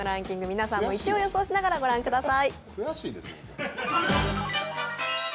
皆さんも予想しながら御覧ください。